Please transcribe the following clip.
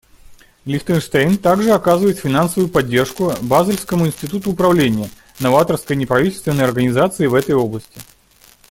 Лихтенштейн также оказывает финансовую поддержку Базельскому институту управления — новаторской неправительственной организации в этой области.